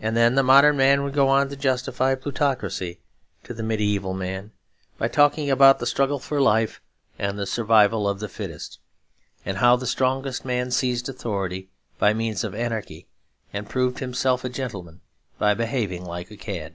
And then the modern man would go on to justify plutocracy to the mediaeval man by talking about the Struggle for Life and the Survival of the Fittest; and how the strongest man seized authority by means of anarchy, and proved himself a gentleman by behaving like a cad.